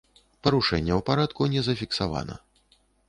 Парушэнняў парадку не зафіксавана.